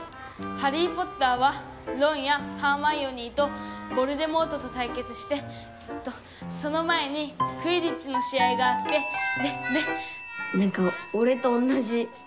『ハリー・ポッター』はロンやハーマイオニーとヴォルデモートとたいけつしてえっとその前にクィディッチの試合があってでで」。